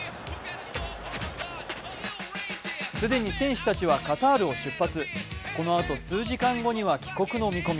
既に選手たちはカタールを出発、このあと数時間後には帰国の見込み。